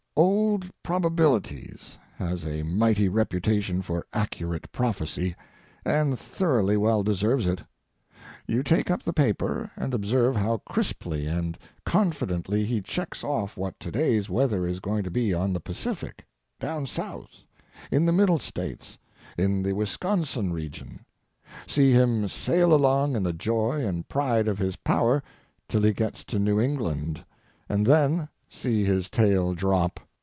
Old Probabilities has a mighty reputation for accurate prophecy, and thoroughly well deserves it. You take up the paper and observe how crisply and confidently he checks off what to day's weather is going to be on the Pacific, down South, in the Middle States, in the Wisconsin region. See him sail along in the joy and pride of his power till he gets to New England, and then see his tail drop.